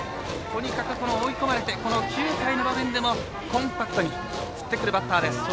とにかく追い込まれて９回の場面でもコンパクトに振ってくるバッターです。